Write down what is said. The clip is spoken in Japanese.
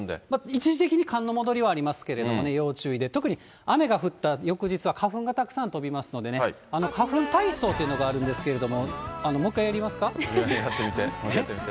一時的に寒の戻りはありますけどね、要注意で、特に雨が降った翌日は、花粉がたくさん飛びますのでね、花粉体操というのがあるんですけれども、やってみて、やってみて。